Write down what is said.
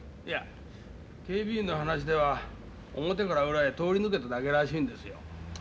いや警備員の話では表から裏へ通り抜けただけらしいんですよ。